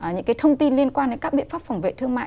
những thông tin liên quan đến các biện pháp phòng vệ thương mại